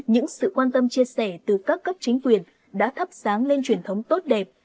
những sự quan tâm chia sẻ từ các cấp chính quyền đã thắp sáng lên truyền thống tốt đẹp